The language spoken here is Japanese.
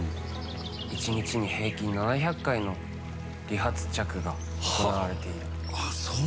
１日に平均７００回の離発着が行われている。